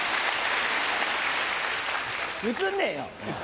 映んねえよ！